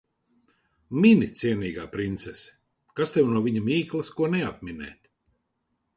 Mini, cienīgā princese. Kas tev no viņa mīklas ko neatminēt.